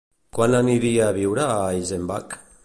Quan aniria a viure a Eisenbach?